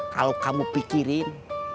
kalau kamu pikirkan